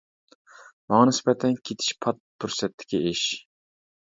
ماڭا نىسبەتەن كېتىش پات پۇرسەتتىكى ئىش.